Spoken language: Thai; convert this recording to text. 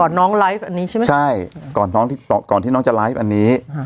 น้องไลฟ์อันนี้ใช่ไหมใช่ก่อนน้องที่ก่อนที่น้องจะไลฟ์อันนี้